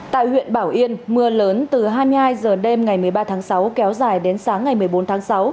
tại huyện bảo yên mưa lớn từ hai mươi hai h đêm ngày một mươi ba tháng sáu kéo dài đến sáng ngày một mươi bốn tháng sáu